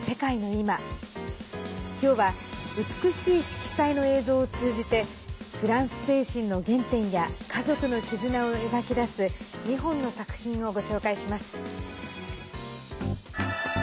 今日は美しい色彩の映像を通じてフランス精神の原点や家族の絆を描き出す２本の作品をご紹介します。